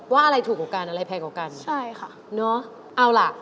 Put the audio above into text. อะไรถูกกว่ากันอะไรแพงกว่ากันใช่ค่ะเนอะเอาล่ะ